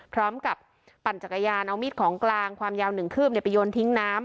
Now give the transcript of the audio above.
พร้อมกับปั่นจักรยานเอามีดของกลางความยาว๑คืบไปโยนทิ้งน้ำ